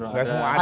nggak semua ada